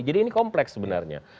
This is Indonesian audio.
jadi ini kompleks sebenarnya